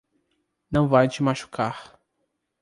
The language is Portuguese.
Não vai te machucar.